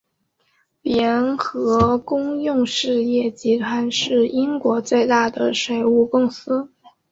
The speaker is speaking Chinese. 联合公用事业集团是英国最大的水务公司。